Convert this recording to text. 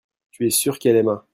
tu es sûr qu'elle aima.